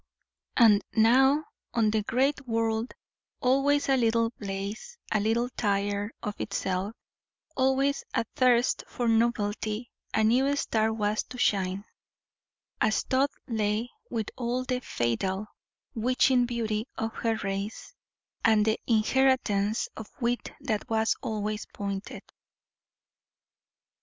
And now on the great world always a little blase, a little tired of itself, always athirst for novelty a new star was to shine a Studleigh, with all the fatal, witching beauty of her race, and the inheritance of wit that was always pointed.